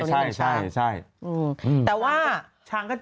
อื้อแต่ว่า